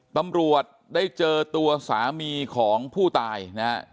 ตำรวจได้เจอตัวสามีของผู้ตายนะฮะ